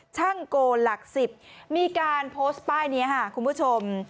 ช่างโกหลัก๑๐มีการโพสต์ป้ายนี้ค่ะคุณผู้ชม